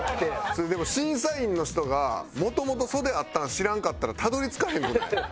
それでも審査員の人がもともと袖あったの知らんかったらたどり着かへんくない？